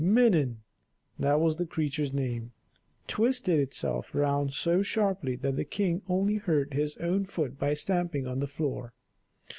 Minon that was the creature's name twisted itself round so sharply that the king only hurt his own foot by stamping on the floor.